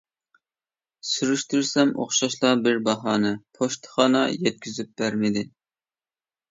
سۈرۈشتۈرسەم ئوخشاشلا بىر باھانە «پوچتىخانا يەتكۈزۈپ بەرمىدى» .